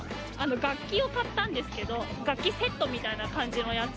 楽器を買ったんですけど楽器セットみたいな感じのやつ。